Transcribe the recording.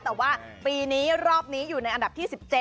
แต่ว่าปีนี้รอบนี้อยู่ในอันดับที่๑๗